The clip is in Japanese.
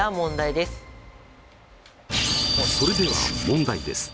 それでは問題です。